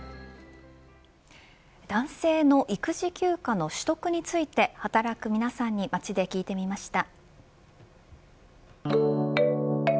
男性の育児休暇の取得について働く皆さんに街で聞いてみました。